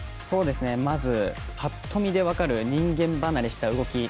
まずパッと見で分かる人間離れした動き。